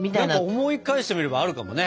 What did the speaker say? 思い返してみればあるかもね。